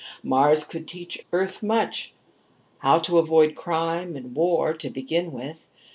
Mars could teach Earth much. How to avoid crime and war to begin with.